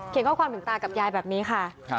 ข้อความถึงตากับยายแบบนี้ค่ะ